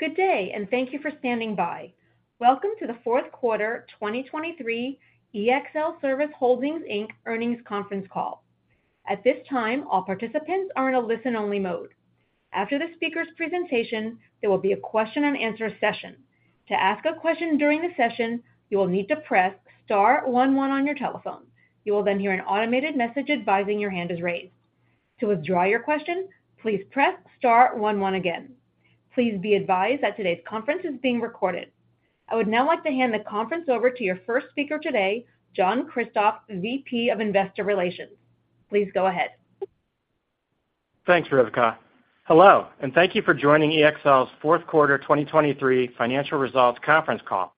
Good day, and thank you for standing by. Welcome to the fourth quarter 2023 EXL Service Holdings, Inc. earnings conference call. At this time, all participants are in a listen-only mode. After the speaker's presentation, there will be a question-and-answer session. To ask a question during the session, you will need to press *11 on your telephone. You will then hear an automated message advising your hand is raised. To withdraw your question, please press *11 again. Please be advised that today's conference is being recorded. I would now like to hand the conference over to your first speaker today, John Kristoff, VP of Investor Relations. Please go ahead. Thanks, Rebecca. Hello, and thank you for joining EXL's fourth quarter 2023 financial results conference call.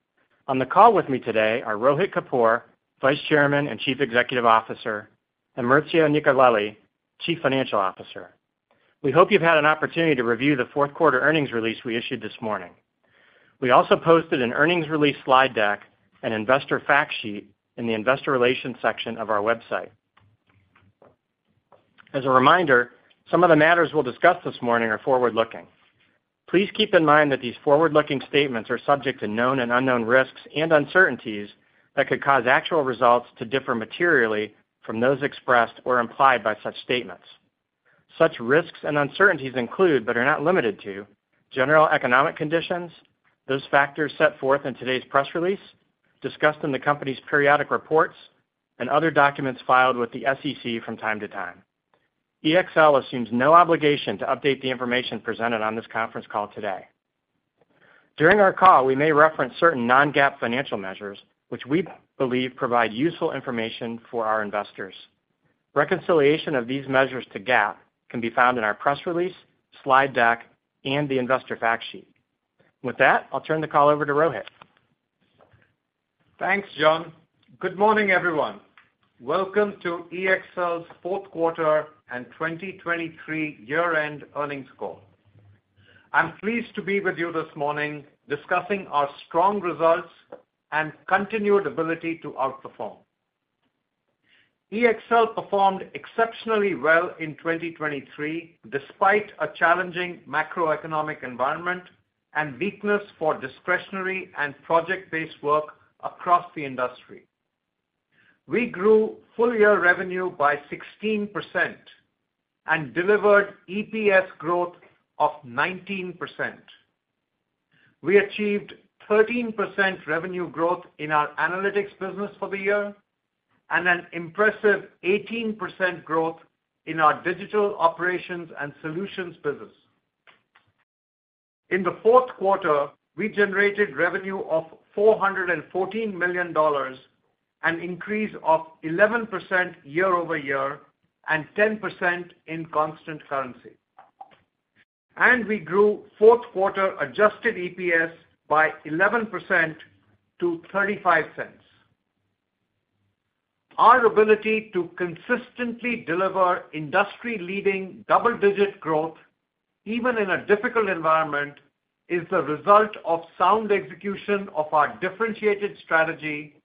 On the call with me today are Rohit Kapoor, Vice Chairman and Chief Executive Officer, and Maurizio Nicolelli, Chief Financial Officer. We hope you've had an opportunity to review the fourth quarter earnings release we issued this morning. We also posted an earnings release slide deck and investor fact sheet in the investor relations section of our website. As a reminder, some of the matters we'll discuss this morning are forward-looking. Please keep in mind that these forward-looking statements are subject to known and unknown risks and uncertainties that could cause actual results to differ materially from those expressed or implied by such statements. Such risks and uncertainties include but are not limited to general economic conditions, those factors set forth in today's press release, discussed in the company's periodic reports, and other documents filed with the SEC from time to time. EXL assumes no obligation to update the information presented on this conference call today. During our call, we may reference certain non-GAAP financial measures, which we believe provide useful information for our investors. Reconciliation of these measures to GAAP can be found in our press release, slide deck, and the investor fact sheet. With that, I'll turn the call over to Rohit. Thanks, John. Good morning, everyone. Welcome to EXL's fourth quarter and 2023 year-end earnings call. I'm pleased to be with you this morning discussing our strong results and continued ability to outperform. EXL performed exceptionally well in 2023 despite a challenging macroeconomic environment and weakness for discretionary and project-based work across the industry. We grew full-year revenue by 16% and delivered EPS growth of 19%. We achieved 13% revenue growth in our Analytics business for the year and an impressive 18% growth in our Digital Operations and Solutions business. In the fourth quarter, we generated revenue of $414 million, an increase of 11% year-over-year and 10% in constant currency. We grew fourth quarter adjusted EPS by 11% to $0.35. Our ability to consistently deliver industry-leading double-digit growth even in a difficult environment is the result of sound execution of our differentiated strategy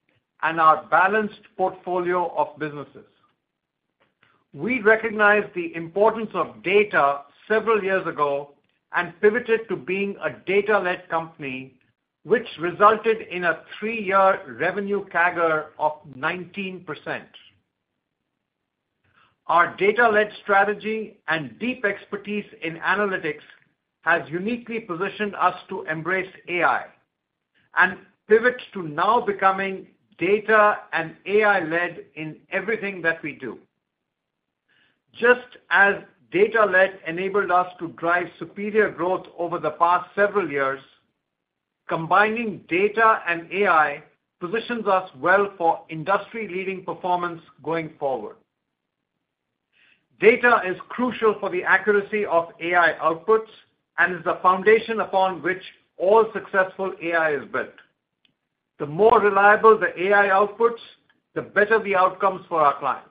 and our balanced portfolio of businesses. We recognized the importance of data several years ago and pivoted to being a data-led company, which resulted in a three-year revenue CAGR of 19%. Our data-led strategy and deep expertise in analytics has uniquely positioned us to embrace AI and pivot to now becoming data and AI-led in everything that we do. Just as data-led enabled us to drive superior growth over the past several years, combining data and AI positions us well for industry-leading performance going forward. Data is crucial for the accuracy of AI outputs and is the foundation upon which all successful AI is built. The more reliable the AI outputs, the better the outcomes for our clients.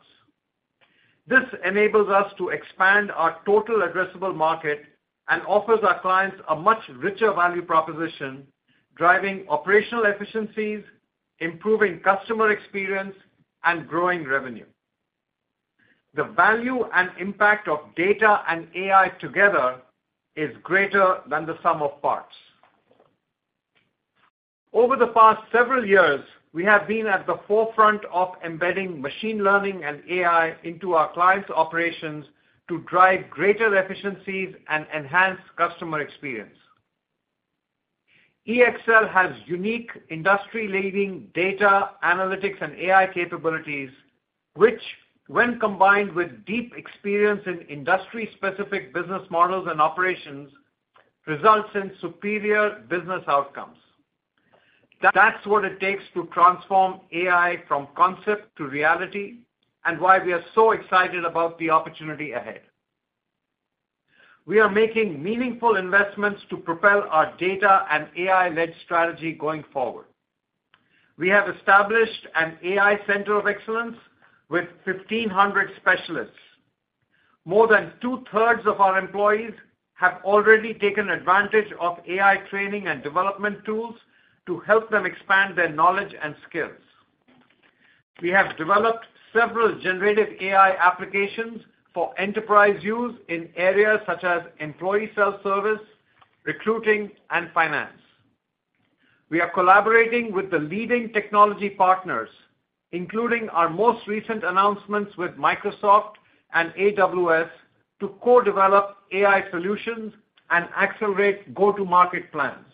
This enables us to expand our total addressable market and offers our clients a much richer value proposition, driving operational efficiencies, improving customer experience, and growing revenue. The value and impact of data and AI together is greater than the sum of parts. Over the past several years, we have been at the forefront of embedding machine learning and AI into our clients' operations to drive greater efficiencies and enhance customer experience. EXL has unique industry-leading data analytics and AI capabilities, which, when combined with deep experience in industry-specific business models and operations, results in superior business outcomes. That's what it takes to transform AI from concept to reality and why we are so excited about the opportunity ahead. We are making meaningful investments to propel our data and AI-led strategy going forward. We have established an AI Center of Excellence with 1,500 specialists. More than two-thirds of our employees have already taken advantage of AI training and development tools to help them expand their knowledge and skills. We have developed several generative AI applications for enterprise use in areas such as employee self-service, recruiting, and finance. We are collaborating with the leading technology partners, including our most recent announcements with Microsoft and AWS, to co-develop AI solutions and accelerate go-to-market plans.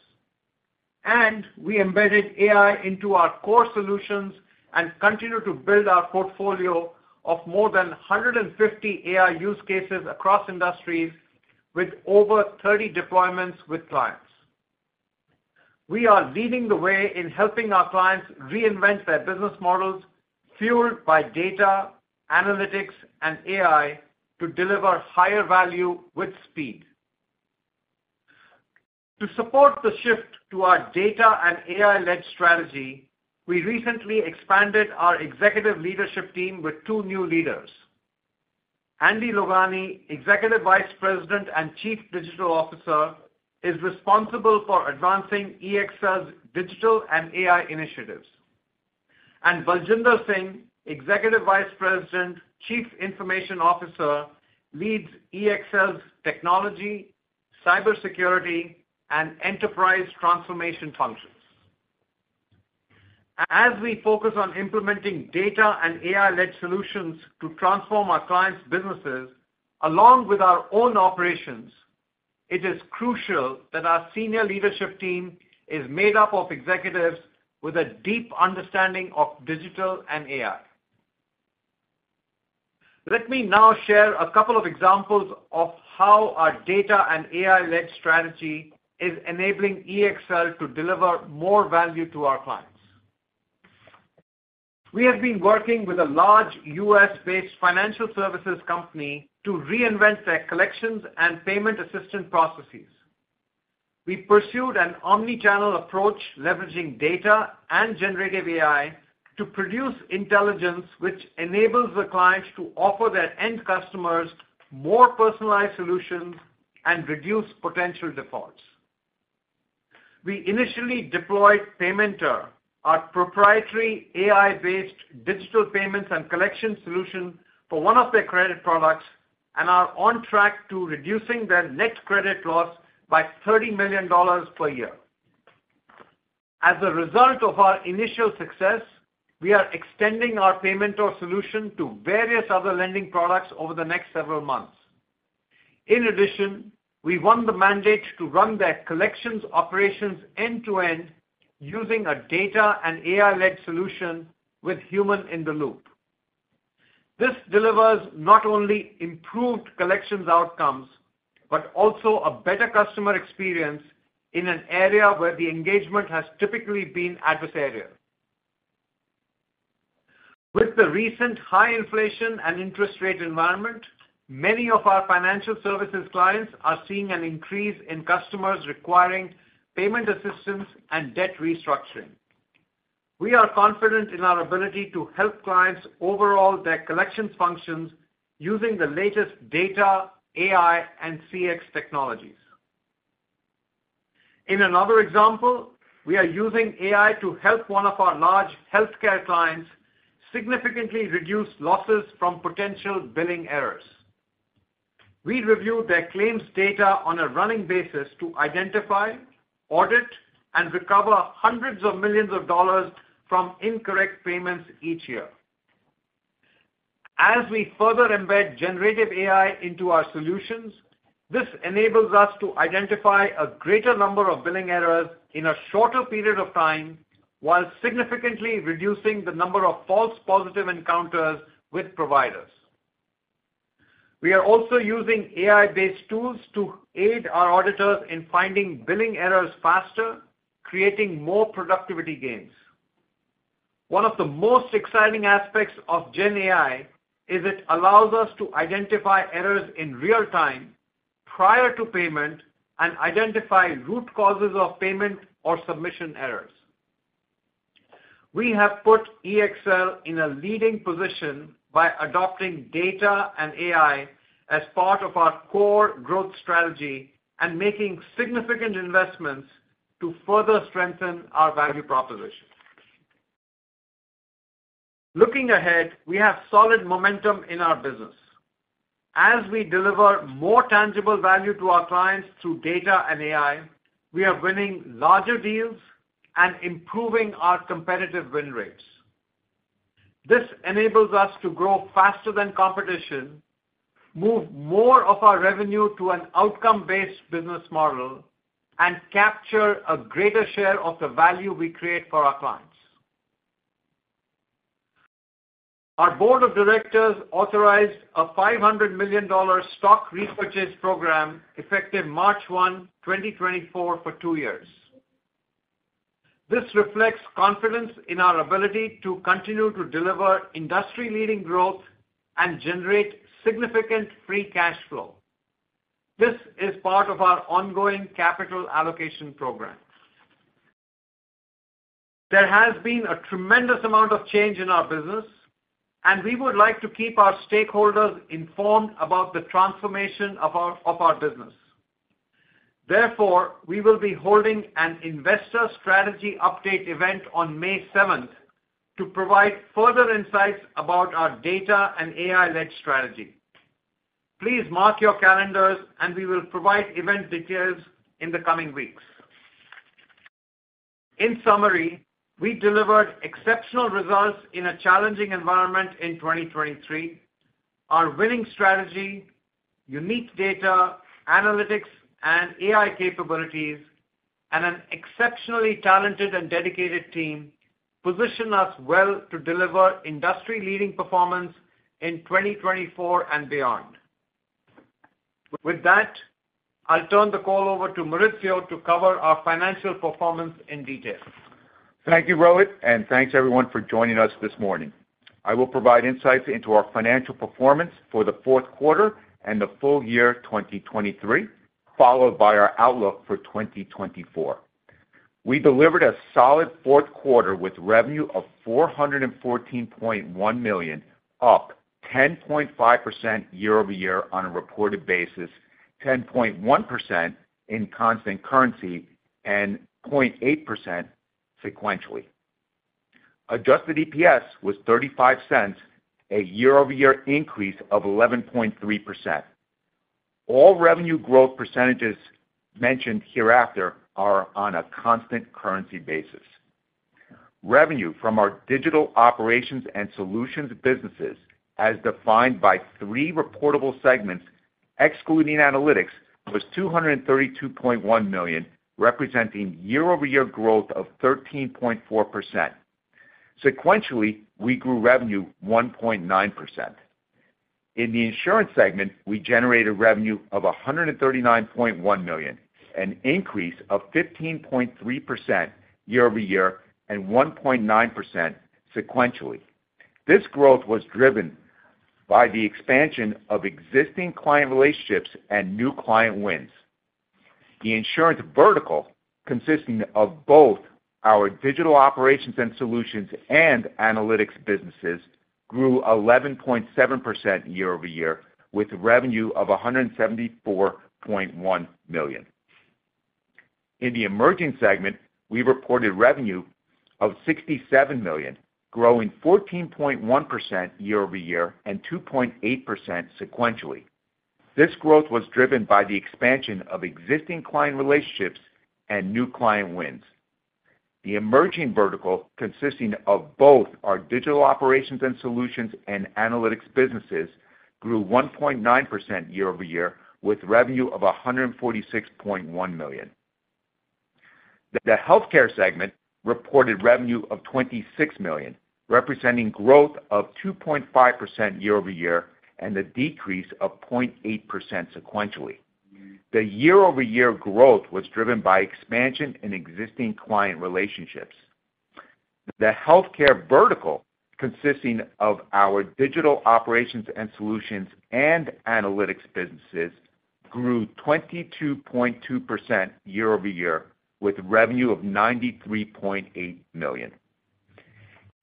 We embedded AI into our core solutions and continue to build our portfolio of more than 150 AI use cases across industries with over 30 deployments with clients. We are leading the way in helping our clients reinvent their business models, fueled by data, analytics, and AI, to deliver higher value with speed. To support the shift to our data and AI-led strategy, we recently expanded our executive leadership team with two new leaders. Andy Logani, Executive Vice President and Chief Digital Officer, is responsible for advancing EXL's digital and AI initiatives. Baljinder Singh, Executive Vice President, Chief Information Officer, leads EXL's technology, cybersecurity, and enterprise transformation functions. As we focus on implementing data and AI-led solutions to transform our clients' businesses along with our own operations, it is crucial that our senior leadership team is made up of executives with a deep understanding of digital and AI. Let me now share a couple of examples of how our data and AI-led strategy is enabling EXL to deliver more value to our clients. We have been working with a large U.S.-based financial services company to reinvent their collections and payment assistant processes. We pursued an omnichannel approach leveraging data and generative AI to produce intelligence which enables the clients to offer their end customers more personalized solutions and reduce potential defaults. We initially deployed Paymentor, our proprietary AI-based digital payments and collections solution for one of their credit products, and are on track to reducing their net credit loss by $30 million per year. As a result of our initial success, we are extending our Paymentor solution to various other lending products over the next several months. In addition, we won the mandate to run their collections operations end-to-end using a data and AI-led solution with human in the loop. This delivers not only improved collections outcomes but also a better customer experience in an area where the engagement has typically been adversarial. With the recent high inflation and interest rate environment, many of our financial services clients are seeing an increase in customers requiring payment assistance and debt restructuring. We are confident in our ability to help clients overhaul their collections functions using the latest data, AI, and CX technologies. In another example, we are using AI to help one of our large Healthcare clients significantly reduce losses from potential billing errors. We reviewed their claims data on a running basis to identify, audit, and recover hundreds of millions of dollars from incorrect payments each year. As we further embed generative AI into our solutions, this enables us to identify a greater number of billing errors in a shorter period of time while significantly reducing the number of false positive encounters with providers. We are also using AI-based tools to aid our auditors in finding billing errors faster, creating more productivity gains. One of the most exciting aspects of Gen AI is it allows us to identify errors in real time prior to payment and identify root causes of payment or submission errors. We have put EXL in a leading position by adopting data and AI as part of our core growth strategy and making significant investments to further strengthen our value proposition. Looking ahead, we have solid momentum in our business. As we deliver more tangible value to our clients through data and AI, we are winning larger deals and improving our competitive win rates. This enables us to grow faster than competition, move more of our revenue to an outcome-based business model, and capture a greater share of the value we create for our clients. Our board of directors authorized a $500 million stock repurchase program effective March 1, 2024, for two years. This reflects confidence in our ability to continue to deliver industry-leading growth and generate significant free cash flow. This is part of our ongoing capital allocation program. There has been a tremendous amount of change in our business, and we would like to keep our stakeholders informed about the transformation of our business. Therefore, we will be holding an investor strategy update event on May 7th to provide further insights about our data and AI-led strategy. Please mark your calendars, and we will provide event details in the coming weeks. In summary, we delivered exceptional results in a challenging environment in 2023. Our winning strategy, unique data, analytics, and AI capabilities, and an exceptionally talented and dedicated team position us well to deliver industry-leading performance in 2024 and beyond. With that, I'll turn the call over to Maurizio to cover our financial performance in detail. Thank you, Rohit. And thanks, everyone, for joining us this morning. I will provide insights into our financial performance for the fourth quarter and the full year 2023, followed by our outlook for 2024. We delivered a solid fourth quarter with revenue of $414.1 million, up 10.5% year-over-year on a reported basis, 10.1% in constant currency, and 0.8% sequentially. Adjusted EPS was $0.35, a year-over-year increase of 11.3%. All revenue growth percentages mentioned hereafter are on a constant currency basis. Revenue from our Digital Operations and Solutions businesses, as defined by three reportable segments excluding analytics, was $232.1 million, representing year-over-year growth of 13.4%. Sequentially, we grew revenue 1.9%. In the Insurance segment, we generated revenue of $139.1 million, an increase of 15.3% year-over-year and 1.9% sequentially. This growth was driven by the expansion of existing client relationships and new client wins. The Insurance vertical, consisting of both our Digital Operations and Solutions and Analytics businesses, grew 11.7% year-over-year with revenue of $174.1 million. In the Emerging segment, we reported revenue of $67 million, growing 14.1% year-over-year and 2.8% sequentially. This growth was driven by the expansion of existing client relationships and new client wins. The Emerging vertical, consisting of both our Digital Operations and Solutions and Analytics businesses, grew 1.9% year-over-year with revenue of $146.1 million. The Healthcare segment reported revenue of $26 million, representing growth of 2.5% year-over-year and a decrease of 0.8% sequentially. The year-over-year growth was driven by expansion in existing client relationships. The Healthcare vertical, consisting of our Digital Operations and Solutions and Analytics businesses, grew 22.2% year-over-year with revenue of $93.8 million.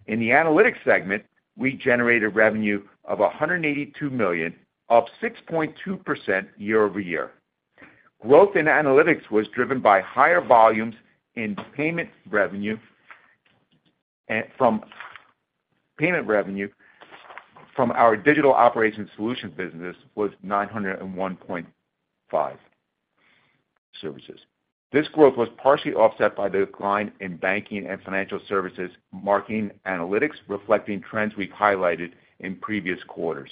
In the Analytics segment, we generated revenue of $182 million, up 6.2% year-over-year. Growth in Analytics was driven by higher volumes in payment revenue from our digital operations solutions business, which was [$901.5 million] services. This growth was partially offset by the decline in banking and financial services Marketing Analytics, reflecting trends we've highlighted in previous quarters.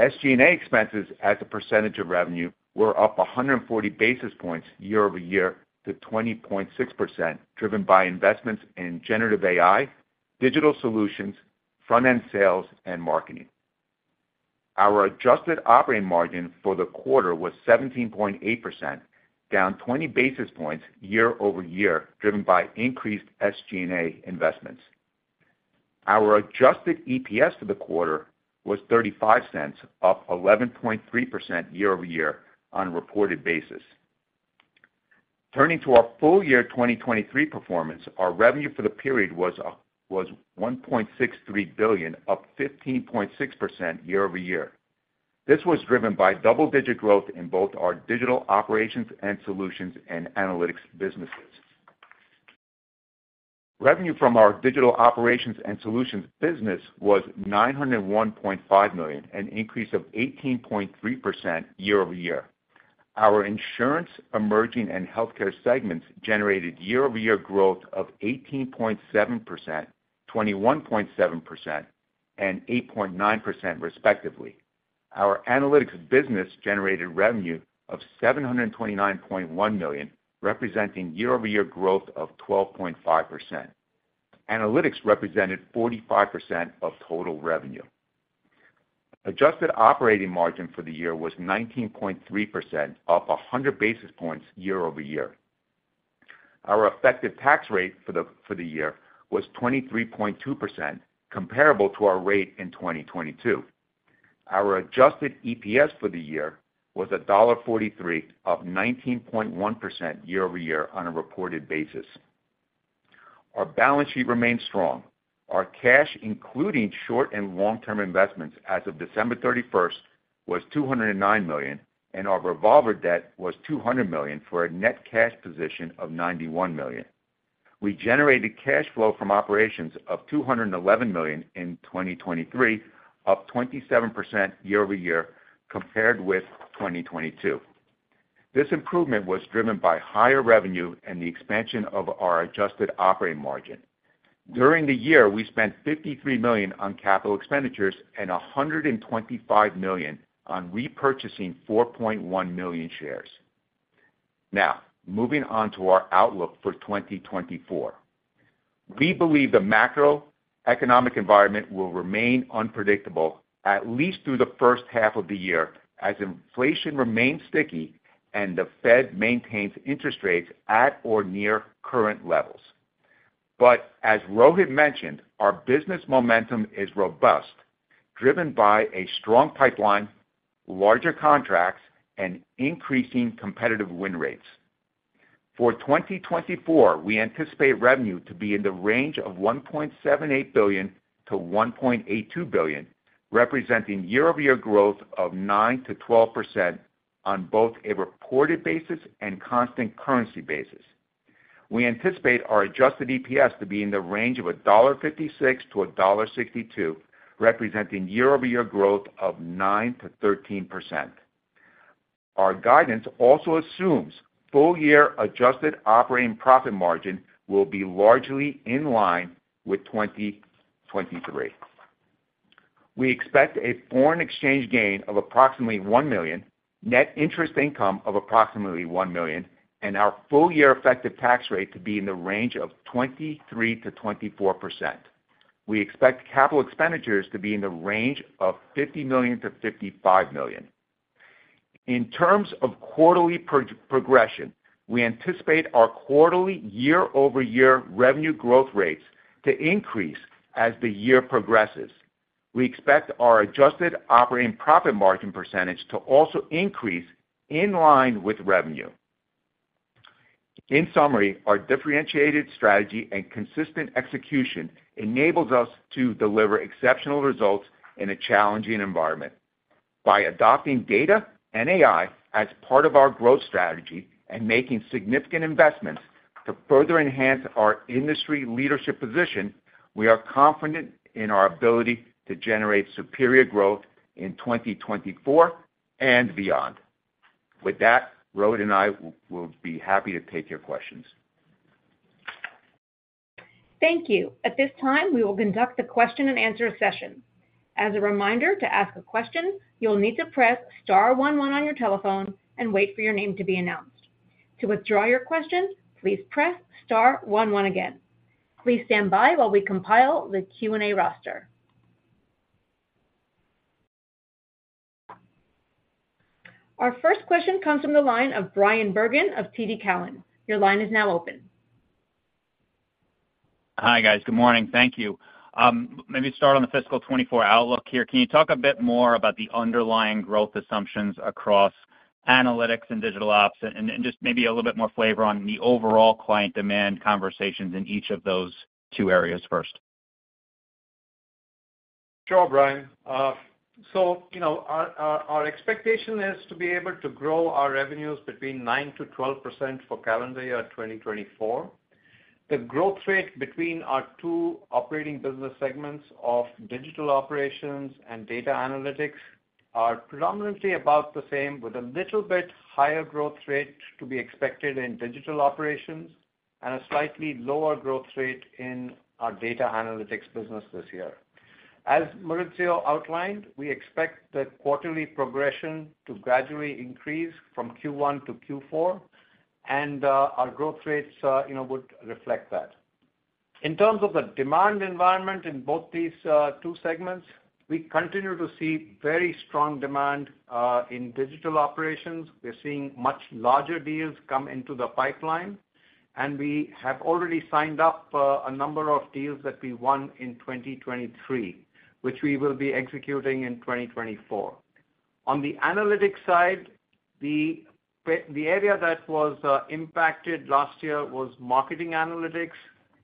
SG&A expenses, as a percentage of revenue, were up 140 basis points year-over-year to 20.6%, driven by investments in generative AI, digital solutions, front-end sales, and marketing. Our adjusted operating margin for the quarter was 17.8%, down 20 basis points year-over-year, driven by increased SG&A investments. Our adjusted EPS for the quarter was $0.35, up 11.3% year-over-year on a reported basis. Turning to our full year 2023 performance, our revenue for the period was $1.63 billion, up 15.6% year-over-year. This was driven by double-digit growth in both our Digital Operations and Solutions and Analytics businesses. Revenue from our Digital Operations and Solutions business was $901.5 million, an increase of 18.3% year-over-year. Our Insurance, Emerging, and Healthcare segments generated year-over-year growth of 18.7%, 21.7%, and 8.9%, respectively. Our Analytics business generated revenue of $729.1 million, representing year-over-year growth of 12.5%. Analytics represented 45% of total revenue. Adjusted operating margin for the year was 19.3%, up 100 basis points year-over-year. Our effective tax rate for the year was 23.2%, comparable to our rate in 2022. Our adjusted EPS for the year was $1.43, up 19.1% year-over-year on a reported basis. Our balance sheet remained strong. Our cash, including short and long-term investments as of December 31st, was $209 million, and our revolver debt was $200 million for a net cash position of $91 million. We generated cash flow from operations of $211 million in 2023, up 27% year-over-year compared with 2022. This improvement was driven by higher revenue and the expansion of our adjusted operating margin. During the year, we spent $53 million on capital expenditures and $125 million on repurchasing 4.1 million shares. Now, moving on to our outlook for 2024. We believe the macroeconomic environment will remain unpredictable, at least through the first half of the year, as inflation remains sticky and the Fed maintains interest rates at or near current levels. But as Rohit mentioned, our business momentum is robust, driven by a strong pipeline, larger contracts, and increasing competitive win rates. For 2024, we anticipate revenue to be in the range of $1.78-$1.82 billion, representing year-over-year growth of 9%-12% on both a reported basis and constant currency basis. We anticipate our adjusted EPS to be in the range of $1.56-$1.62, representing year-over-year growth of 9%-13%. Our guidance also assumes full-year adjusted operating profit margin will be largely in line with 2023. We expect a foreign exchange gain of approximately $1 million, net interest income of approximately $1 million, and our full-year effective tax rate to be in the range of 23%-24%. We expect capital expenditures to be in the range of $50 million-$55 million. In terms of quarterly progression, we anticipate our quarterly, year-over-year revenue growth rates to increase as the year progresses. We expect our adjusted operating profit margin percentage to also increase in line with revenue. In summary, our differentiated strategy and consistent execution enables us to deliver exceptional results in a challenging environment. By adopting data and AI as part of our growth strategy and making significant investments to further enhance our industry leadership position, we are confident in our ability to generate superior growth in 2024 and beyond. With that, Rohit and I will be happy to take your questions. Thank you. At this time, we will conduct the question-and-answer session. As a reminder, to ask a question, you'll need to press star 11 on your telephone and wait for your name to be announced. To withdraw your question, please press star 11 again. Please stand by while we compile the Q&A roster. Our first question comes from the line of Bryan Bergin of TD Cowen. Your line is now open. Hi, guys. Good morning. Thank you. Maybe start on the fiscal 2024 outlook here. Can you talk a bit more about the underlying growth assumptions across analytics and digital ops, and just maybe a little bit more flavor on the overall client demand conversations in each of those two areas first? Sure, Brian. So our expectation is to be able to grow our revenues between 9%-12% for calendar year 2024. The growth rate between our two operating business segments of digital operations and data analytics are predominantly about the same, with a little bit higher growth rate to be expected in digital operations and a slightly lower growth rate in our data analytics business this year. As Maurizio outlined, we expect the quarterly progression to gradually increase from Q1 to Q4, and our growth rates would reflect that. In terms of the demand environment in both these two segments, we continue to see very strong demand in digital operations. We're seeing much larger deals come into the pipeline, and we have already signed up a number of deals that we won in 2023, which we will be executing in 2024. On the Analytics side, the area that was impacted last year was Marketing Analytics,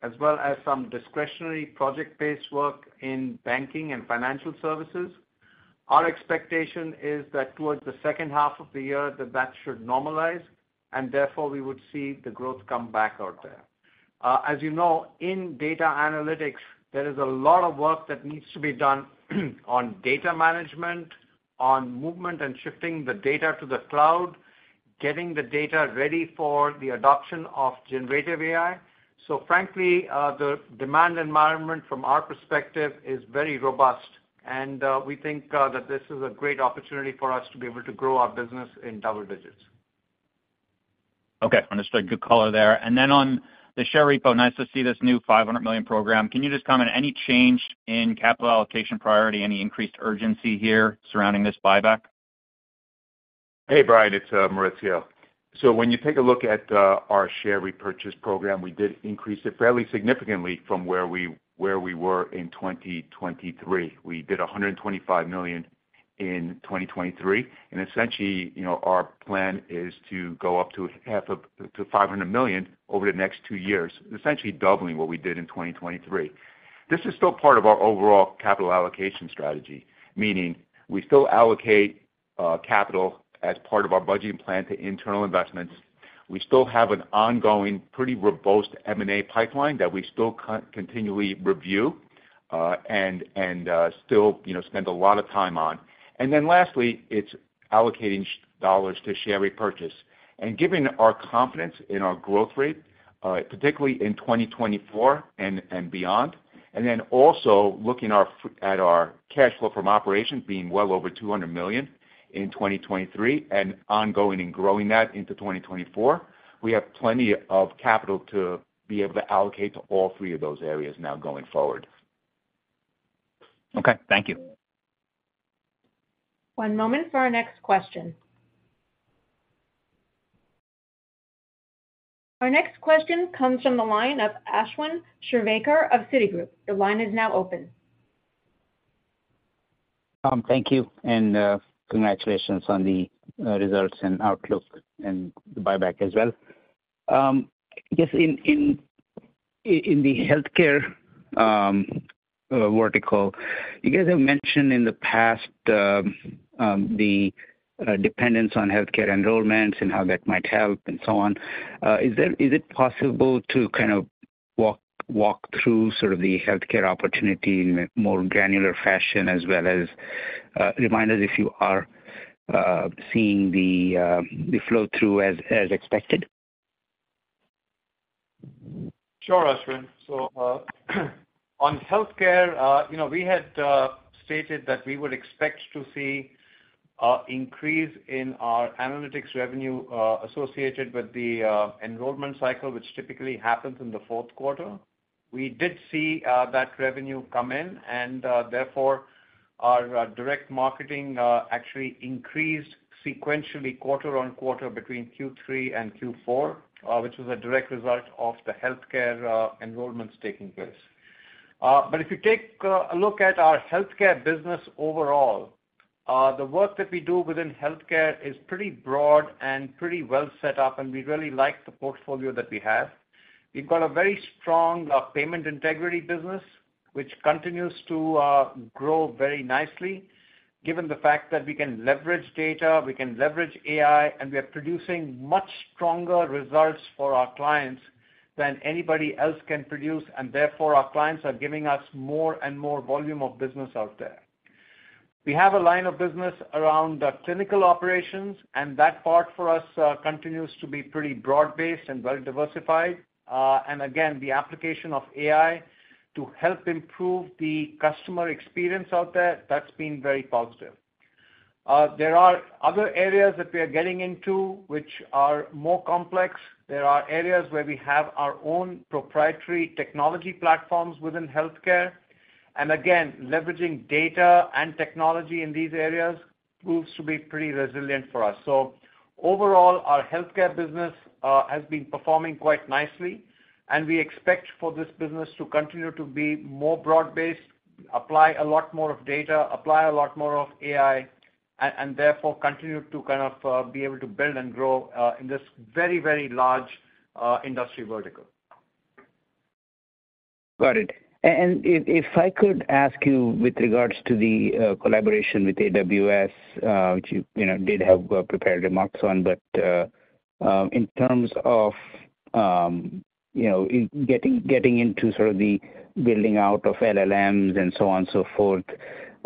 as well as some discretionary project-based work in banking and financial services. Our expectation is that towards the second half of the year, that should normalize, and therefore, we would see the growth come back out there. As you know, in data analytics, there is a lot of work that needs to be done on data management, on movement and shifting the data to the cloud, getting the data ready for the adoption of generative AI. So frankly, the demand environment from our perspective is very robust, and we think that this is a great opportunity for us to be able to grow our business in double digits. Okay. Understood. Good caller there. And then on the share repo, nice to see this new $500 million program. Can you just comment, any change in capital allocation priority, any increased urgency here surrounding this buyback? Hey, Brian. It's Maurizio. So when you take a look at our share repurchase program, we did increase it fairly significantly from where we were in 2023. We did $125 million in 2023. And essentially, our plan is to go up to $500 million over the next two years, essentially doubling what we did in 2023. This is still part of our overall capital allocation strategy, meaning we still allocate capital as part of our budgeting plan to internal investments. We still have an ongoing, pretty robust M&A pipeline that we still continually review and still spend a lot of time on. And then lastly, it's allocating dollars to share repurchase. Given our confidence in our growth rate, particularly in 2024 and beyond, and then also looking at our cash flow from operations being well over $200 million in 2023 and ongoing and growing that into 2024, we have plenty of capital to be able to allocate to all three of those areas now going forward. Okay. Thank you. One moment for our next question. Our next question comes from the line of Ashwin Shirvaikar of Citigroup. Your line is now open. Thank you, and congratulations on the results and outlook and the buyback as well. I guess in the Healthcare vertical, you guys have mentioned in the past the dependence on Healthcare enrollments and how that might help and so on. Is it possible to kind of walk through sort of the Healthcare opportunity in a more granular fashion as well as remind us if you are seeing the flow through as expected? Sure, Ashwin. So on Healthcare, we had stated that we would expect to see an increase in our Analytics revenue associated with the enrollment cycle, which typically happens in the fourth quarter. We did see that revenue come in, and therefore, our direct marketing actually increased sequentially, quarter-over-quarter, between Q3 and Q4, which was a direct result of the Healthcare enrollments taking place. But if you take a look at our Healthcare business overall, the work that we do within Healthcare is pretty broad and pretty well set up, and we really like the portfolio that we have. We've got a very strong Payment Integrity business, which continues to grow very nicely given the fact that we can leverage data, we can leverage AI, and we are producing much stronger results for our clients than anybody else can produce. And therefore, our clients are giving us more and more volume of business out there. We have a line of business around clinical operations, and that part for us continues to be pretty broad-based and well-diversified. And again, the application of AI to help improve the customer experience out there, that's been very positive. There are other areas that we are getting into which are more complex. There are areas where we have our own proprietary technology platforms within Healthcare. And again, leveraging data and technology in these areas proves to be pretty resilient for us. So overall, our Healthcare business has been performing quite nicely, and we expect for this business to continue to be more broad-based, apply a lot more of data, apply a lot more of AI, and therefore continue to kind of be able to build and grow in this very, very large industry vertical. Got it. And if I could ask you with regards to the collaboration with AWS, which you did have prepared remarks on, but in terms of getting into sort of the building out of LLMs and so on and so forth,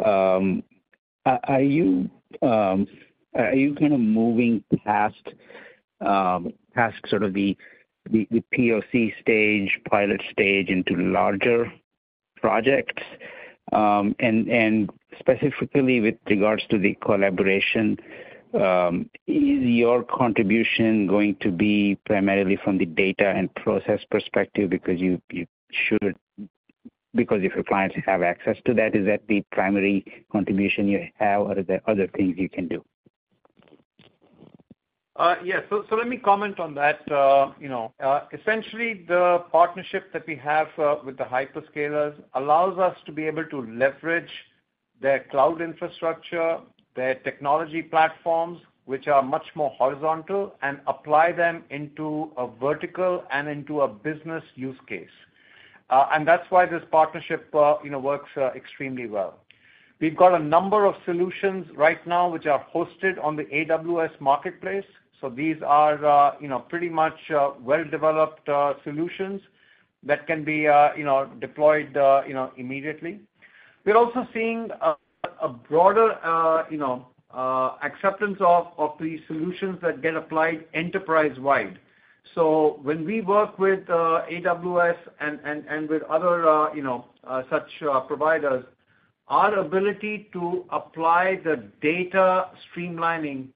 are you kind of moving past sort of the POC stage, pilot stage, into larger projects? And specifically with regards to the collaboration, is your contribution going to be primarily from the data and process perspective because if your clients have access to that, is that the primary contribution you have, or are there other things you can do? Yeah. So let me comment on that. Essentially, the partnership that we have with the hyperscalers allows us to be able to leverage their cloud infrastructure, their technology platforms, which are much more horizontal, and apply them into a vertical and into a business use case. And that's why this partnership works extremely well. We've got a number of solutions right now which are hosted on the AWS Marketplace. So these are pretty much well-developed solutions that can be deployed immediately. We're also seeing a broader acceptance of these solutions that get applied enterprise-wide. So when we work with AWS and with other such providers, our ability to apply the data streamlining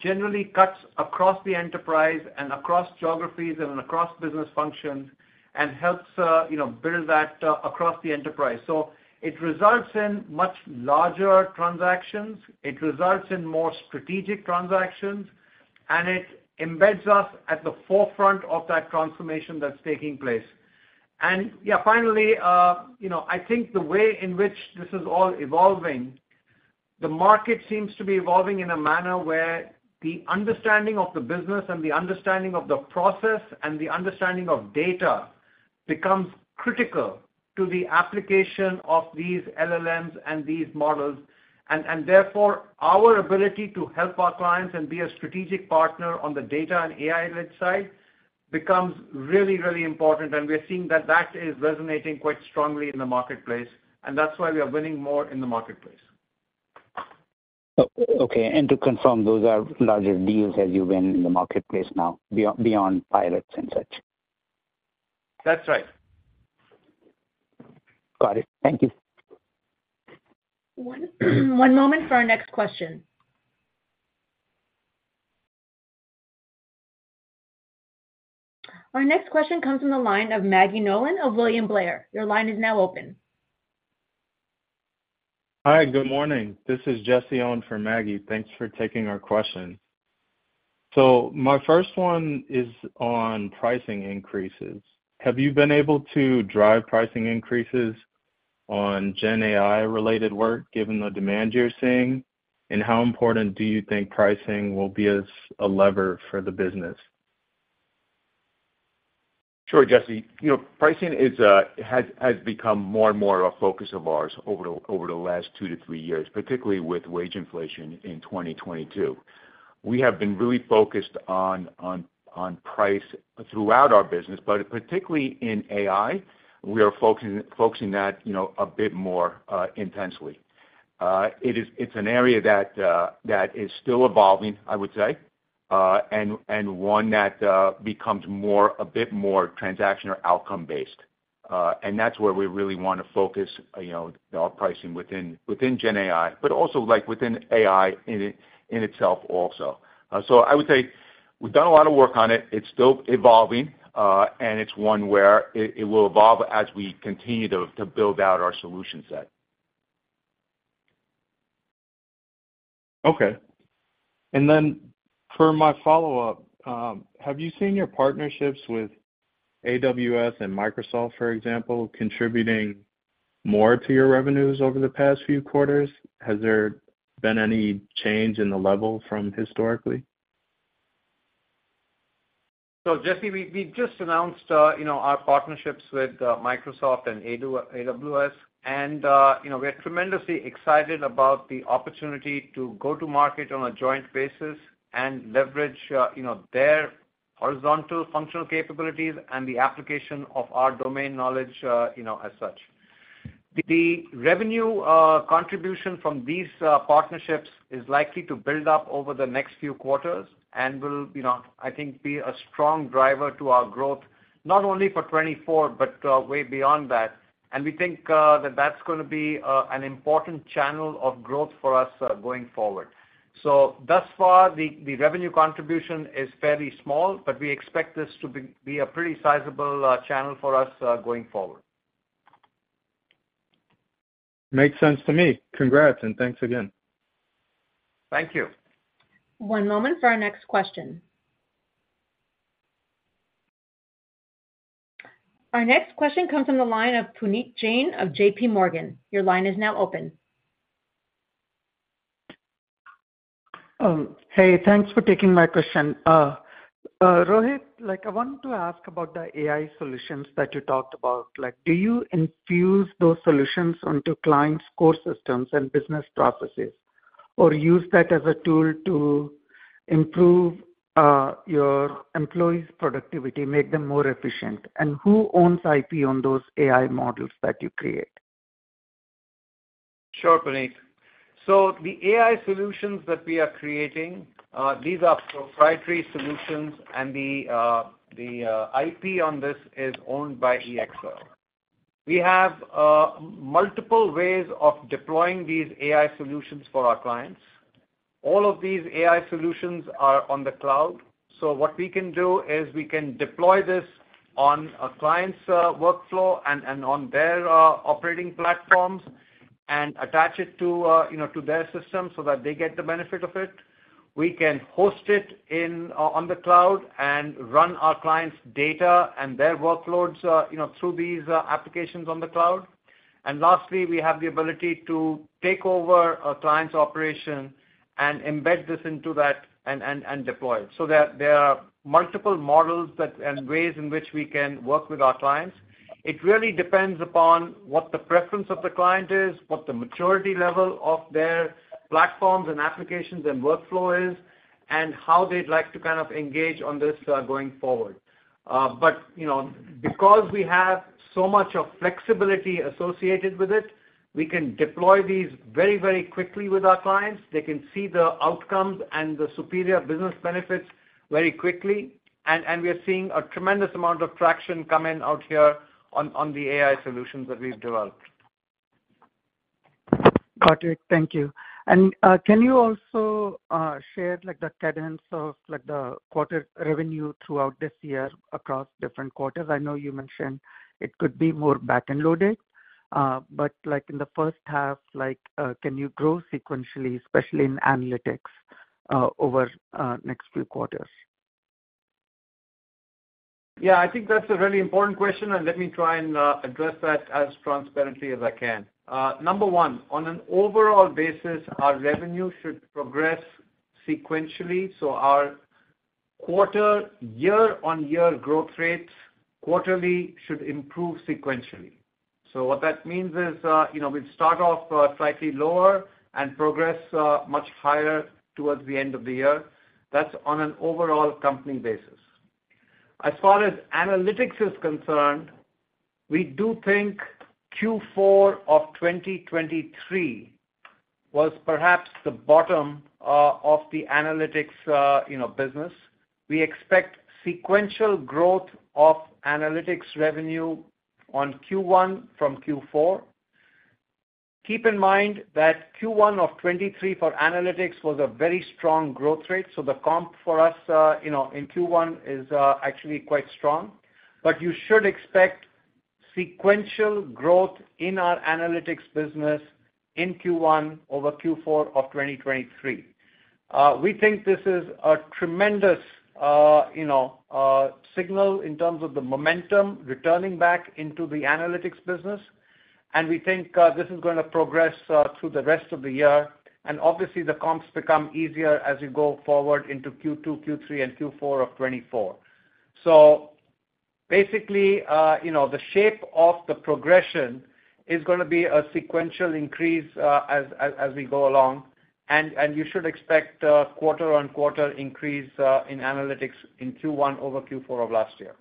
generally cuts across the enterprise and across geographies and across business functions and helps build that across the enterprise. So it results in much larger transactions. It results in more strategic transactions, and it embeds us at the forefront of that transformation that's taking place. And yeah, finally, I think the way in which this is all evolving, the market seems to be evolving in a manner where the understanding of the business and the understanding of the process and the understanding of the data becomes critical to the application of these LLMs and these models. And therefore, our ability to help our clients and be a strategic partner on the data and AI-led side becomes really, really important. And we're seeing that that is resonating quite strongly in the marketplace, and that's why we are winning more in the marketplace. Okay. To confirm, those are larger deals as you've been in the marketplace now beyond pilots and such? That's right. Got it. Thank you. One moment for our next question. Our next question comes from the line of Maggie Nolan of William Blair. Your line is now open. Hi. Good morning. This is Jesse on for Maggie. Thanks for taking our question. So my first one is on pricing increases. Have you been able to drive pricing increases on GenAI-related work given the demand you're seeing, and how important do you think pricing will be as a lever for the business? Sure, Jesse. Pricing has become more and more of a focus of ours over the last 2-3 years, particularly with wage inflation in 2022. We have been really focused on price throughout our business, but particularly in AI, we are focusing that a bit more intensely. It's an area that is still evolving, I would say, and one that becomes a bit more transactional outcome-based. And that's where we really want to focus our pricing within GenAI, but also within AI in itself also. So I would say we've done a lot of work on it. It's still evolving, and it's one where it will evolve as we continue to build out our solution set. Okay. And then for my follow-up, have you seen your partnerships with AWS and Microsoft, for example, contributing more to your revenues over the past few quarters? Has there been any change in the level from historically? So Jesse, we just announced our partnerships with Microsoft and AWS, and we are tremendously excited about the opportunity to go to market on a joint basis and leverage their horizontal functional capabilities and the application of our domain knowledge as such. The revenue contribution from these partnerships is likely to build up over the next few quarters and will, I think, be a strong driver to our growth not only for 2024 but way beyond that. We think that that's going to be an important channel of growth for us going forward. Thus far, the revenue contribution is fairly small, but we expect this to be a pretty sizable channel for us going forward. Makes sense to me. Congrats, and thanks again. Thank you. One moment for our next question. Our next question comes from the line of Puneet Jain of JP Morgan. Your line is now open. Hey, thanks for taking my question. Rohit, I wanted to ask about the AI solutions that you talked about. Do you infuse those solutions into clients' core systems and business processes or use that as a tool to improve your employees' productivity, make them more efficient? And who owns IP on those AI models that you create? Sure, Puneet. So the AI solutions that we are creating, these are proprietary solutions, and the IP on this is owned by EXL. We have multiple ways of deploying these AI solutions for our clients. All of these AI solutions are on the cloud. So what we can do is we can deploy this on a client's workflow and on their operating platforms and attach it to their system so that they get the benefit of it. We can host it on the cloud and run our clients' data and their workloads through these applications on the cloud. And lastly, we have the ability to take over a client's operation and embed this into that and deploy it. So there are multiple models and ways in which we can work with our clients. It really depends upon what the preference of the client is, what the maturity level of their platforms and applications and workflow is, and how they'd like to kind of engage on this going forward. But because we have so much flexibility associated with it, we can deploy these very, very quickly with our clients. They can see the outcomes and the superior business benefits very quickly. And we are seeing a tremendous amount of traction come in out here on the AI solutions that we've developed. Got it. Thank you. And can you also share the cadence of the quarter revenue throughout this year across different quarters? I know you mentioned it could be more back-and-loaded, but in the first half, can you grow sequentially, especially in analytics over the next few quarters? Yeah. I think that's a really important question, and let me try and address that as transparently as I can. Number one, on an overall basis, our revenue should progress sequentially. So our quarter, year-on-year growth rates quarterly should improve sequentially. So what that means is we'll start off slightly lower and progress much higher towards the end of the year. That's on an overall company basis. As far as analytics is concerned, we do think Q4 of 2023 was perhaps the bottom of the Analytics business. We expect sequential growth of analytics revenue on Q1 from Q4. Keep in mind that Q1 of 2023 for Analytics was a very strong growth rate. So the comp for us in Q1 is actually quite strong. But you should expect sequential growth in our Analytics business in Q1 over Q4 of 2023. We think this is a tremendous signal in terms of the momentum returning back into the Analytics business. We think this is going to progress through the rest of the year. Obviously, the comps become easier as you go forward into Q2, Q3, and Q4 of 2024. Basically, the shape of the progression is going to be a sequential increase as we go along. You should expect quarter-on-quarter increase in Analytics in Q1 over Q4 of last year.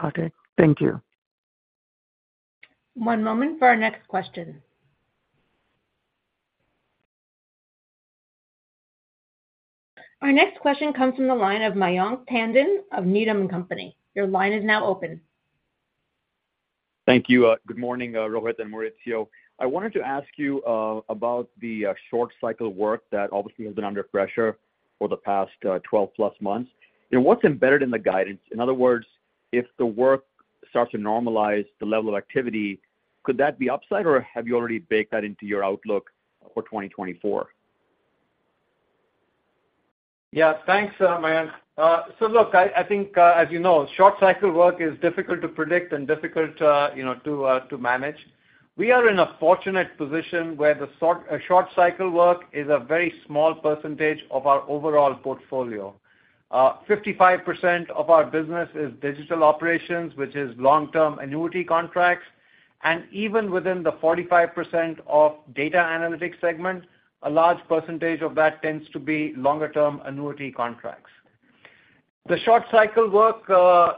Got it. Thank you. One moment for our next question. Our next question comes from the line of Mayank Tandon of Needham & Company. Your line is now open. Thank you. Good morning, Rohit and Maurizio. I wanted to ask you about the short-cycle work that obviously has been under pressure for the past 12-plus months. What's embedded in the guidance? In other words, if the work starts to normalize the level of activity, could that be upside, or have you already baked that into your outlook for 2024? Yeah. Thanks, Mayank. So look, I think, as you know, short-cycle work is difficult to predict and difficult to manage. We are in a fortunate position where the short-cycle work is a very small percentage of our overall portfolio. 55% of our business is digital operations, which is long-term annuity contracts. And even within the 45% of data analytics segment, a large percentage of that tends to be longer-term annuity terms. The short-cycle work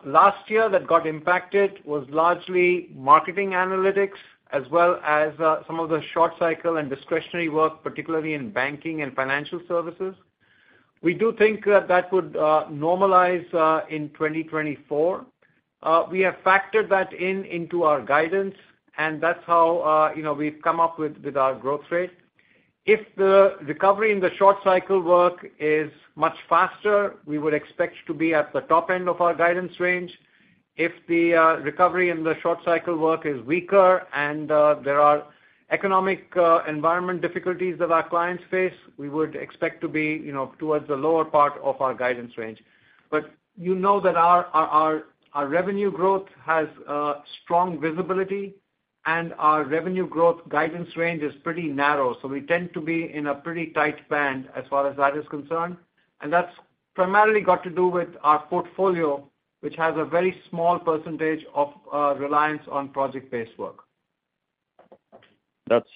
last year that got impacted was largely Marketing Analytics as well as some of the short-cycle and discretionary work, particularly in banking and financial services. We do think that that would normalize in 2024. We have factored that in into our guidance, and that's how we've come up with our growth rate. If the recovery in the short-cycle work is much faster, we would expect to be at the top end of our guidance range. If the recovery in the short-cycle work is weaker and there are economic environment difficulties that our clients face, we would expect to be towards the lower part of our guidance range. But you know that our revenue growth has strong visibility, and our revenue growth guidance range is pretty narrow. So we tend to be in a pretty tight band as far as that is concerned. And that's primarily got to do with our portfolio, which has a very small percentage of reliance on project-based work. That's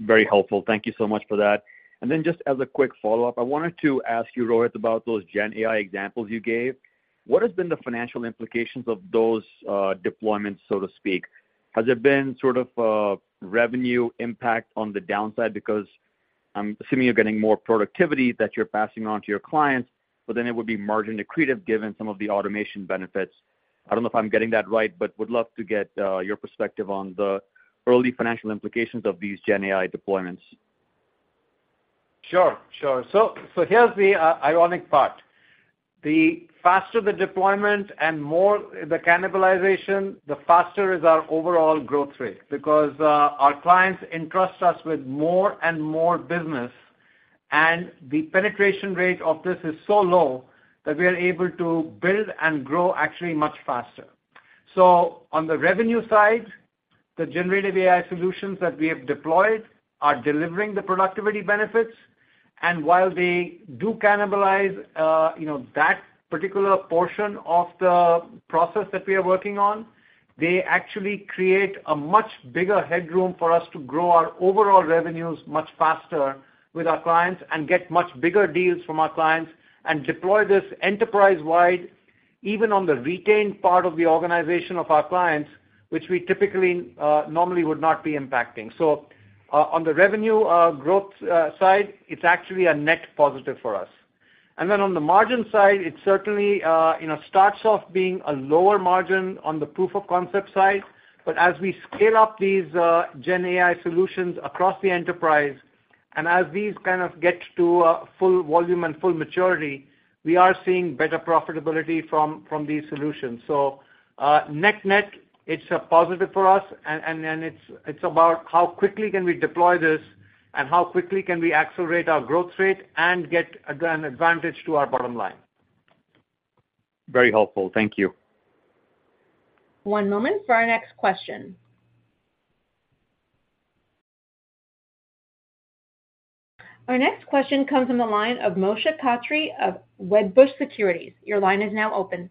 very helpful. Thank you so much for that. And then just as a quick follow-up, I wanted to ask you, Rohit, about those GenAI examples you gave. What has been the financial implications of those deployments, so to speak? Has there been sort of a revenue impact on the downside? Because I'm assuming you're getting more productivity that you're passing on to your clients, but then it would be margin accretive given some of the automation benefits. I don't know if I'm getting that right, but would love to get your perspective on the early financial implications of these GenAI deployments. Sure. Sure. So here's the ironic part. The faster the deployment and the cannibalization, the faster is our overall growth rate because our clients entrust us with more and more business, and the penetration rate of this is so low that we are able to build and grow actually much faster. So on the revenue side, the generative AI solutions that we have deployed are delivering the productivity benefits. And while they do cannibalize that particular portion of the process that we are working on, they actually create a much bigger headroom for us to grow our overall revenues much faster with our clients and get much bigger deals from our clients and deploy this enterprise-wide, even on the retained part of the organization of our clients, which we typically normally would not be impacting. So on the revenue growth side, it's actually a net positive for us. Then on the margin side, it certainly starts off being a lower margin on the proof of concept side. But as we scale up these Gen AI solutions across the enterprise and as these kind of get to full volume and full maturity, we are seeing better profitability from these solutions. So net-net, it's a positive for us, and it's about how quickly can we deploy this and how quickly can we accelerate our growth rate and get an advantage to our bottom line. Very helpful. Thank you. One moment for our next question. Our next question comes from the line of Moshe Katri of Wedbush Securities. Your line is now open.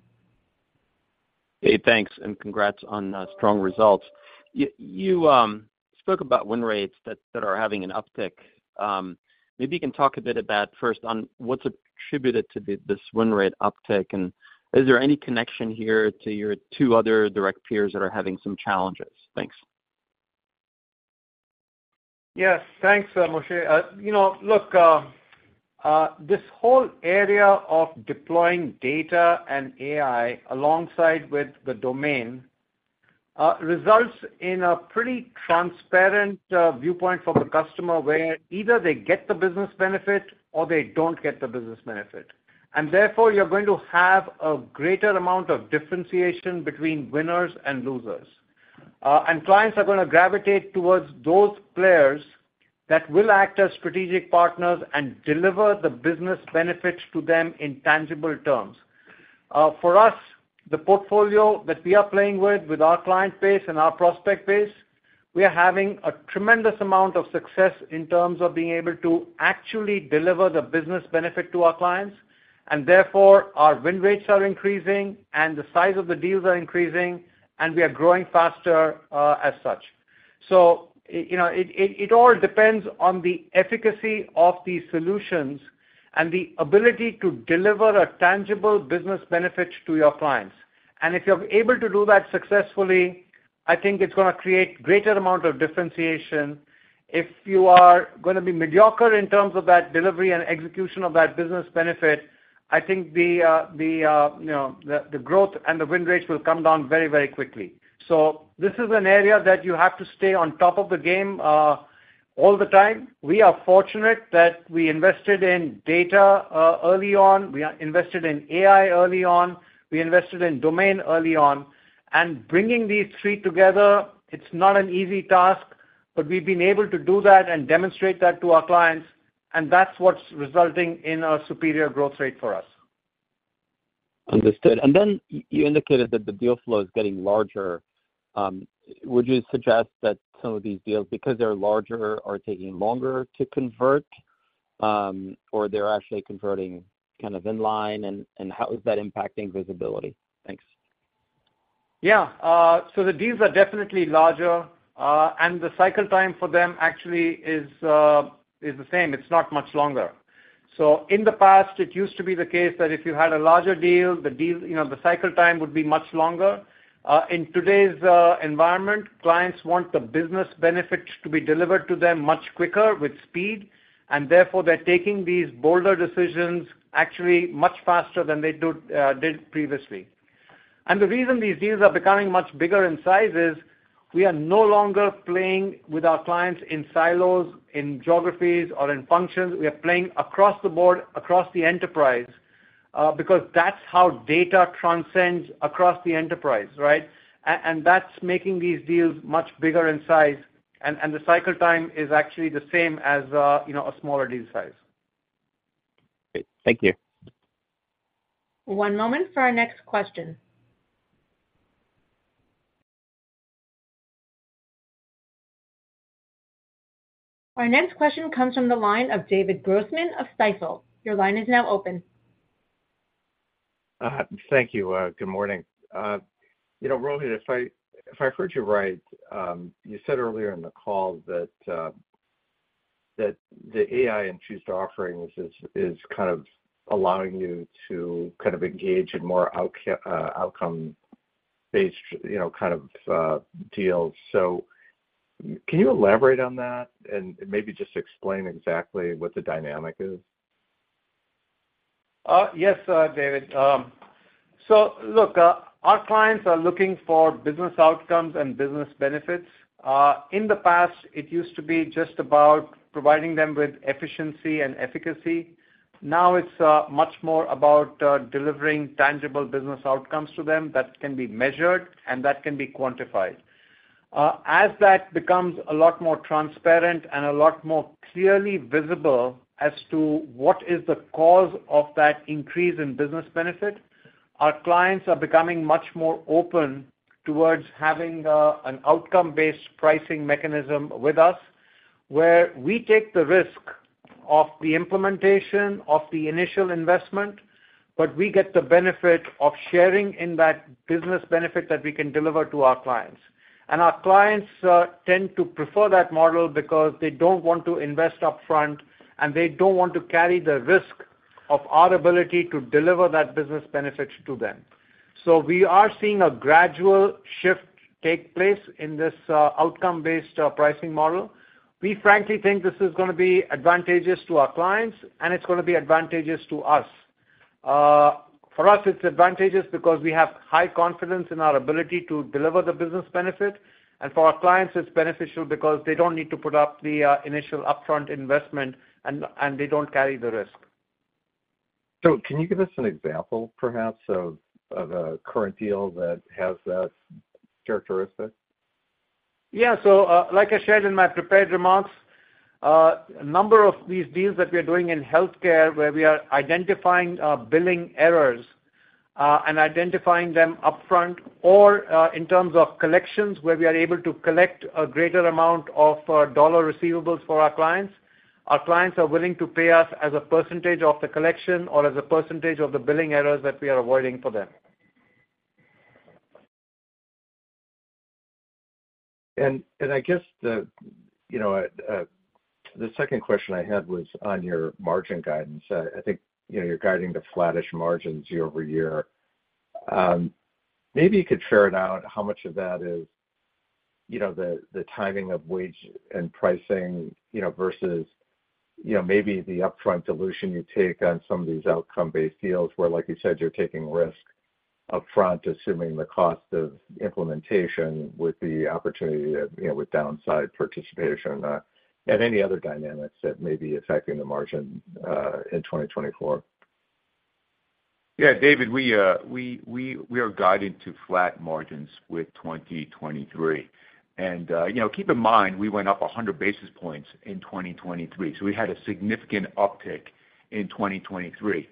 Hey, thanks, and congrats on strong results. You spoke about win rates that are having an uptick. Maybe you can talk a bit about first on what's attributed to this win rate uptick, and is there any connection here to your two other direct peers that are having some challenges? Thanks. Yes. Thanks, Moshe. Look, this whole area of deploying data and AI alongside with the domain results in a pretty transparent viewpoint for the customer where either they get the business benefit or they don't get the business benefit. And therefore, you're going to have a greater amount of differentiation between winners and losers. And clients are going to gravitate towards those players that will act as strategic partners and deliver the business benefit to them in tangible terms. For us, the portfolio that we are playing with, with our client base and our prospect base, we are having a tremendous amount of success in terms of being able to actually deliver the business benefit to our clients. And therefore, our win rates are increasing, and the size of the deals are increasing, and we are growing faster as such. So it all depends on the efficacy of these solutions and the ability to deliver a tangible business benefit to your clients. And if you're able to do that successfully, I think it's going to create a greater amount of differentiation. If you are going to be mediocre in terms of that delivery and execution of that business benefit, I think the growth and the win rates will come down very, very quickly. So this is an area that you have to stay on top of the game all the time. We are fortunate that we invested in data early on. We invested in AI early on. We invested in domain early on. And bringing these three together, it's not an easy task, but we've been able to do that and demonstrate that to our clients, and that's what's resulting in a superior growth rate for us. Understood. And then you indicated that the deal flow is getting larger. Would you suggest that some of these deals, because they're larger, are taking longer to convert, or they're actually converting kind of inline? And how is that impacting visibility? Thanks. Yeah. So the deals are definitely larger, and the cycle time for them actually is the same. It's not much longer. So in the past, it used to be the case that if you had a larger deal, the cycle time would be much longer. In today's environment, clients want the business benefit to be delivered to them much quicker with speed. And therefore, they're taking these bolder decisions actually much faster than they did previously. And the reason these deals are becoming much bigger in size is we are no longer playing with our clients in silos, in geographies, or in functions. We are playing across the board, across the enterprise because that's how data transcends across the enterprise, right? And that's making these deals much bigger in size, and the cycle time is actually the same as a smaller deal size. Great. Thank you. One moment for our next question. Our next question comes from the line of David Grossman of Stifel. Your line is now open. Thank you. Good morning. Rohit, if I heard you right, you said earlier in the call that the AI-infused offering is kind of allowing you to kind of engage in more outcome-based kind of deals. So can you elaborate on that and maybe just explain exactly what the dynamic is? Yes, David. So look, our clients are looking for business outcomes and business benefits. In the past, it used to be just about providing them with efficiency and efficacy. Now, it's much more about delivering tangible business outcomes to them that can be measured and that can be quantified. As that becomes a lot more transparent and a lot more clearly visible as to what is the cause of that increase in business benefit, our clients are becoming much more open towards having an outcome-based pricing mechanism with us where we take the risk of the implementation of the initial investment, but we get the benefit of sharing in that business benefit that we can deliver to our clients. Our clients tend to prefer that model because they don't want to invest upfront, and they don't want to carry the risk of our ability to deliver that business benefit to them. We are seeing a gradual shift take place in this outcome-based pricing model. We, frankly, think this is going to be advantageous to our clients, and it's going to be advantageous to us. For us, it's advantageous because we have high confidence in our ability to deliver the business benefit. For our clients, it's beneficial because they don't need to put up the initial upfront investment, and they don't carry the risk. Can you give us an example, perhaps, of a current deal that has that characteristic? Yeah. So like I shared in my prepared remarks, a number of these deals that we are doing in Healthcare where we are identifying billing errors and identifying them upfront or in terms of collections where we are able to collect a greater amount of dollar receivables for our clients, our clients are willing to pay us as a percentage of the collection or as a percentage of the billing errors that we are avoiding for them. I guess the second question I had was on your margin guidance. I think you're guiding to flattish margins year-over-year. Maybe you could ferret out how much of that is the timing of wage and pricing versus maybe the upfront dilution you take on some of these outcome-based deals where, like you said, you're taking risk upfront, assuming the cost of implementation with the opportunity with downside participation and any other dynamics that may be affecting the margin in 2024. Yeah, David, we are guiding to flat margins with 2023. Keep in mind, we went up 100 basis points in 2023, so we had a significant uptick in 2023.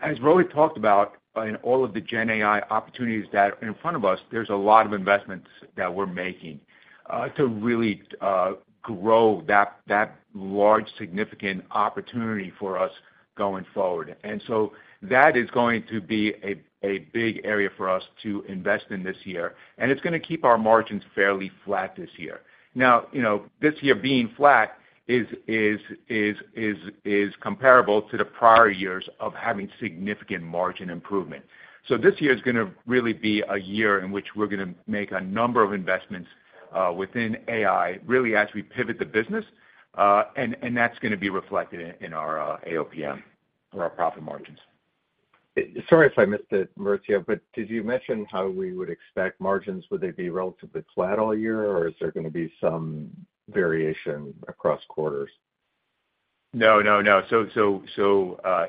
As Rohit talked about in all of the GenAI opportunities that are in front of us, there's a lot of investments that we're making to really grow that large, significant opportunity for us going forward. So that is going to be a big area for us to invest in this year, and it's going to keep our margins fairly flat this year. Now, this year being flat is comparable to the prior years of having significant margin improvement. This year is going to really be a year in which we're going to make a number of investments within AI really as we pivot the business, and that's going to be reflected in our AOPM or our profit margins. Sorry if I missed it, Maurizio, but did you mention how we would expect margins? Would they be relatively flat all year, or is there going to be some variation across quarters? No, no, no. So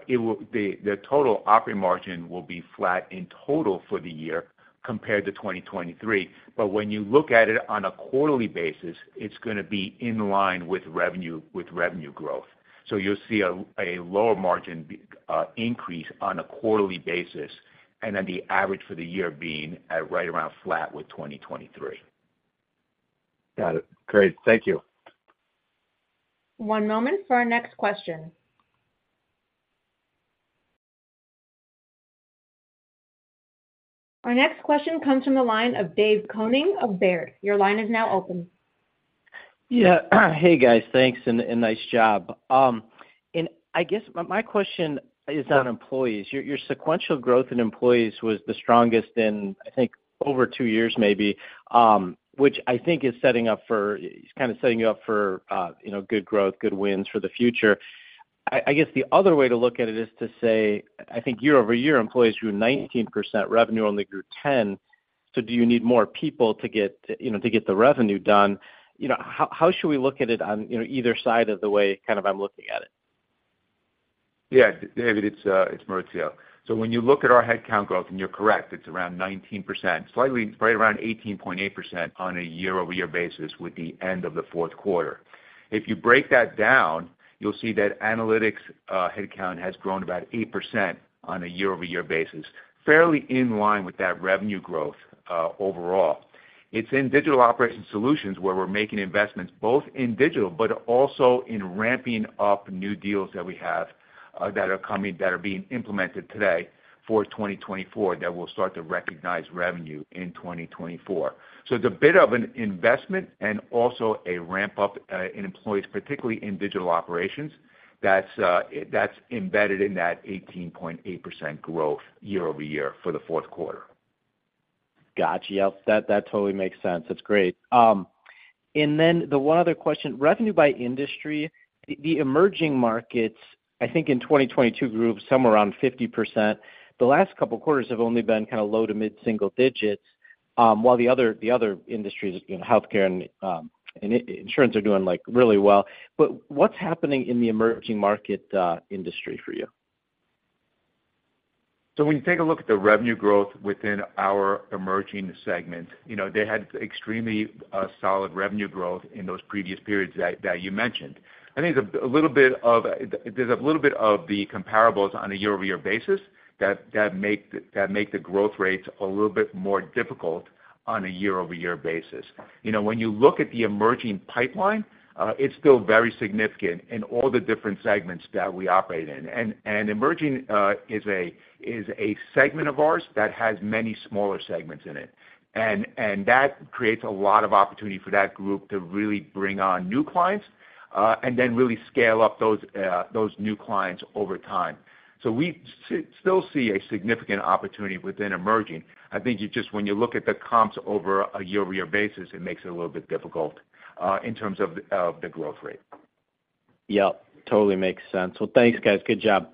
the total operating margin will be flat in total for the year compared to 2023. But when you look at it on a quarterly basis, it's going to be in line with revenue growth. So you'll see a lower margin increase on a quarterly basis and then the average for the year being right around flat with 2023. Got it. Great. Thank you. One moment for our next question. Our next question comes from the line of Dave Koning of Baird. Your line is now open. Yeah. Hey, guys. Thanks and nice job. And I guess my question is on employees. Your sequential growth in employees was the strongest in, I think, over two years maybe, which I think is setting up for it's kind of setting you up for good growth, good wins for the future. I guess the other way to look at it is to say, I think year-over-year, employees grew 19%. Revenue only grew 10%. So do you need more people to get the revenue done? How should we look at it on either side of the way kind of I'm looking at it? Yeah, David, it's Maurizio. So when you look at our headcount growth, and you're correct, it's around 19%, slightly right around 18.8% on a year-over-year basis with the end of the fourth quarter. If you break that down, you'll see that analytics headcount has grown about 8% on a year-over-year basis, fairly in line with that revenue growth overall. It's in digital operations solutions where we're making investments both in digital but also in ramping up new deals that we have that are being implemented today for 2024 that will start to recognize revenue in 2024. So it's a bit of an investment and also a ramp-up in employees, particularly in digital operations that's embedded in that 18.8% growth year-over-year for the fourth quarter. Gotcha. Yep. That totally makes sense. That's great. And then the one other question, revenue by industry. The emerging markets, I think, in 2022 grew somewhere around 50%. The last couple of quarters have only been kind of low to mid-single digits, while the other industries, Healthcare and Insurance, are doing really well. But what's happening in the emerging market industry for you? When you take a look at the revenue growth within our emerging segment, they had extremely solid revenue growth in those previous periods that you mentioned. I think there's a little bit of the comparables on a year-over-year basis that make the growth rates a little bit more difficult on a year-over-year basis. When you look at the emerging pipeline, it's still very significant in all the different segments that we operate in. And emerging is a segment of ours that has many smaller segments in it. And that creates a lot of opportunity for that group to really bring on new clients and then really scale up those new clients over time. So we still see a significant opportunity within emerging. I think just when you look at the comps over a year-over-year basis, it makes it a little bit difficult in terms of the growth rate. Yep. Totally makes sense. Well, thanks, guys. Good job.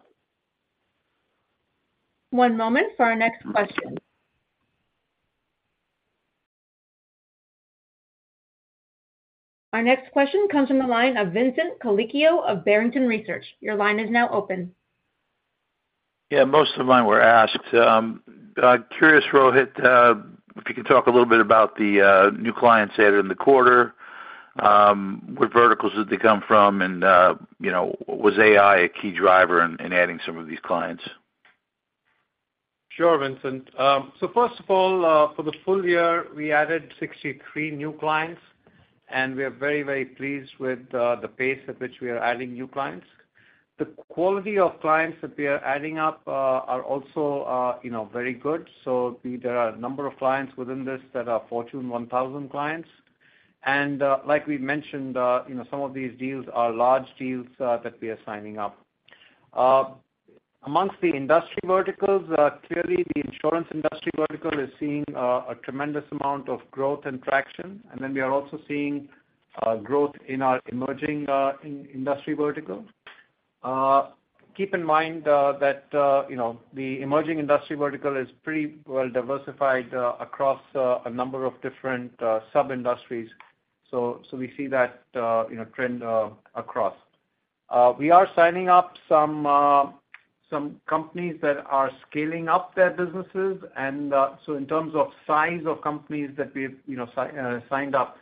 One moment for our next question. Our next question comes from the line of Vincent Colicchio of Barrington Research. Your line is now open. Yeah. Most of mine were asked. Curious, Rohit, if you can talk a little bit about the new clients later in the quarter. What verticals did they come from, and was AI a key driver in adding some of these clients? Sure, Vincent. So first of all, for the full year, we added 63 new clients, and we are very, very pleased with the pace at which we are adding new clients. The quality of clients that we are adding up are also very good. So there are a number of clients within this that are Fortune 1000 clients. And like we mentioned, some of these deals are large deals that we are signing up. Among the industry verticals, clearly, the insurance industry vertical is seeing a tremendous amount of growth and traction. And then we are also seeing growth in our emerging industry vertical. Keep in mind that the emerging industry vertical is pretty well diversified across a number of different sub-industries. So we see that trend across. We are signing up some companies that are scaling up their businesses. So in terms of size of companies that we've signed up,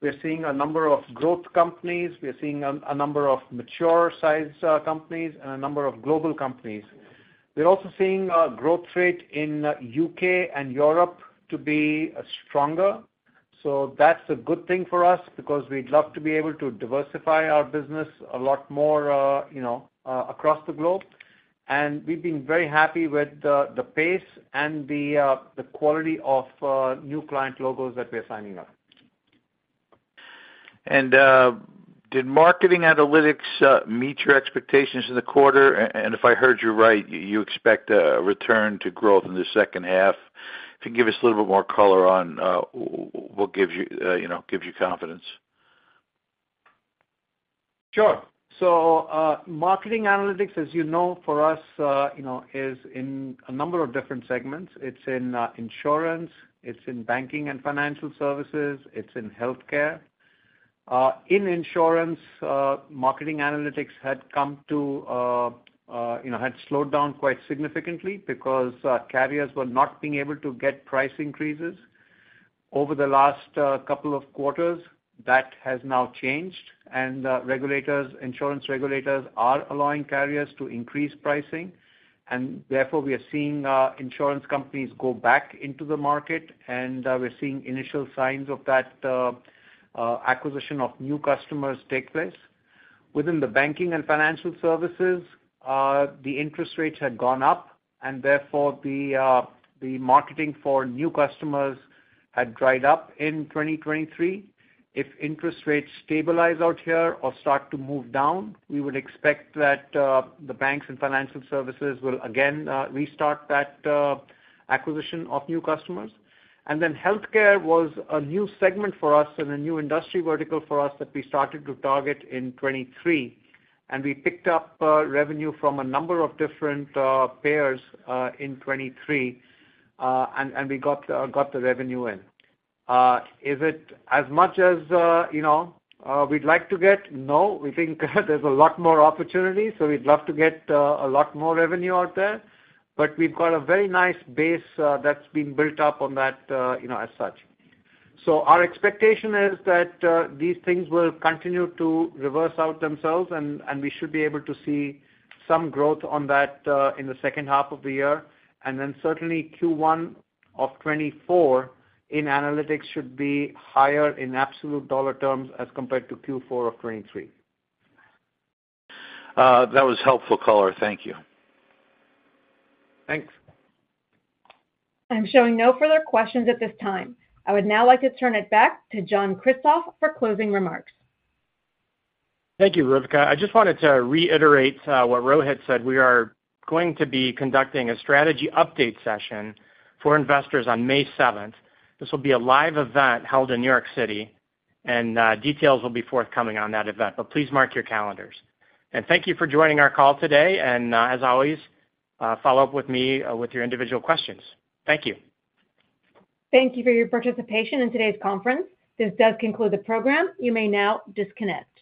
we're seeing a number of growth companies. We're seeing a number of mature-sized companies and a number of global companies. We're also seeing a growth rate in the U.K. and Europe to be stronger. So that's a good thing for us because we'd love to be able to diversify our business a lot more across the globe. And we've been very happy with the pace and the quality of new client logos that we're signing up. Did marketing analytics meet your expectations in the quarter? If I heard you right, you expect a return to growth in the second half. If you can give us a little bit more color on what gives you confidence. Sure. So Marketing Analytics, as you know, for us, is in a number of different segments. It's in insurance. It's in banking and financial services. It's in Healthcare. In insurance, Marketing Analytics had slowed down quite significantly because carriers were not being able to get price increases over the last couple of quarters. That has now changed. And insurance regulators are allowing carriers to increase pricing. And therefore, we are seeing insurance companies go back into the market, and we're seeing initial signs of that acquisition of new customers take place. Within the banking and financial services, the interest rates had gone up, and therefore, the marketing for new customers had dried up in 2023. If interest rates stabilize out here or start to move down, we would expect that the banks and financial services will again restart that acquisition of new customers. Then Healthcare was a new segment for us and a new industry vertical for us that we started to target in 2023. We picked up revenue from a number of different payers in 2023, and we got the revenue in. Is it as much as we'd like to get? No. We think there's a lot more opportunity, so we'd love to get a lot more revenue out there. But we've got a very nice base that's been built up on that as such. Our expectation is that these things will continue to reverse out themselves, and we should be able to see some growth on that in the second half of the year. Then certainly, Q1 of 2024 in Analytics should be higher in absolute dollar terms as compared to Q4 of 2023. That was helpful color. Thank you. Thanks. I'm showing no further questions at this time. I would now like to turn it back to John Kristoff for closing remarks. Thank you, Rivka. I just wanted to reiterate what Rohit said. We are going to be conducting a strategy update session for investors on May 7th. This will be a live event held in New York City, and details will be forthcoming on that event. Please mark your calendars. Thank you for joining our call today. As always, follow up with me with your individual questions. Thank you. Thank you for your participation in today's conference. This does conclude the program. You may now disconnect.